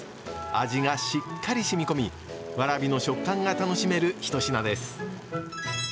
味がしっかり染み込みわらびの食感が楽しめる一品です！